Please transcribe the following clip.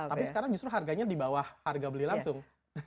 tapi sekarang justru harganya di bawah harga beli langsung